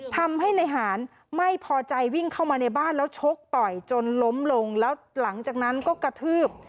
ทำให้ในหารไม่พอใจวิ่งเข้ามาในบ้านแล้วชกต่อยจนล้มลงแล้วหลังจากนั้นก็กระทืบ